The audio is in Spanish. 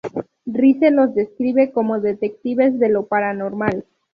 Rice los describe como "Detectives de lo paranormal".